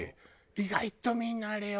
意外とみんなあれよ？